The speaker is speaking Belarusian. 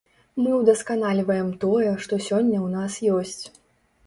Мы ўдасканальваем тое, што сёння ў нас ёсць.